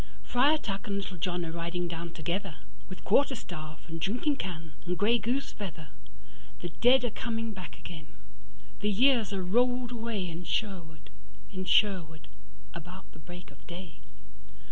Friar Tuck and Little John are riding down togetherWith quarter staff and drinking can and grey goose feather; The dead are coming back again; the years are rolled awayIn Sherwood, in Sherwood, about the break of day.